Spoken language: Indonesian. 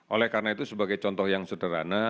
oleh karena itu sebagai contoh yang sederhana